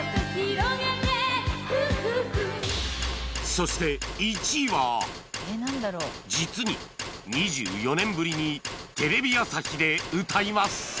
そして１位は実に２４年ぶりにテレビ朝日で歌います